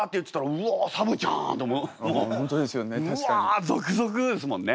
うわ続々ですもんね。